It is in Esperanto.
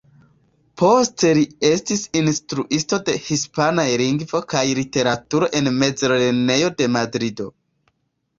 Poste li estis instruisto de Hispanaj Lingvo kaj Literaturo en mezlernejo de Madrido.